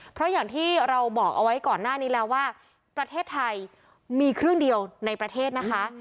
เพราะอย่างที่เราบอกเอาไว้ก่อนหน้านี้แล้วว่าประเทศไทยมีเครื่องเดียวในประเทศนะคะ